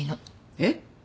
えっ？